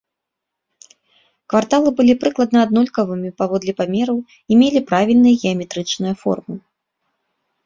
Кварталы былі прыкладна аднолькавымі паводле памераў і мелі правільныя геаметрычныя формы.